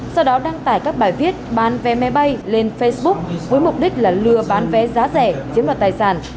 sau đó đăng tải các bài viết bán vé máy bay lên facebook với mục đích là lừa bán vé giá rẻ chiếm đoạt tài sản